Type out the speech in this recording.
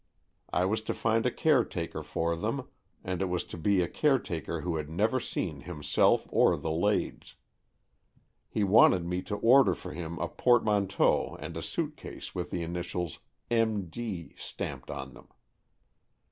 I was to find a care taker for them, and it was to be a caretaker who had never seen himself or the Lades. He wanted me to order for him a portmanteau and a suit case with the initials M. D. stamped on them.